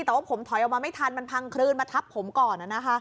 แต่ว่าผมถอยออกมาไม่ทันมันพังคลื่นมาทับผมก่อน